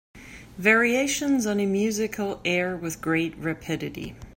Variations on a musical air With great rapidity.